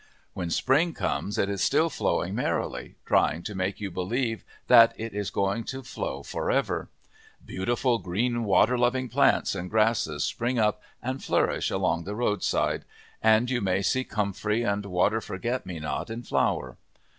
When spring comes it is still flowing merrily, trying to make you believe that it is going to flow for ever; beautiful, green water loving plants and grasses spring up and flourish along the roadside, and you may see comfrey and water forget me not in flower.